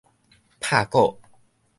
拍鼓